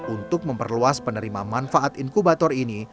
untuk memperluas penerima manfaat inkubator ini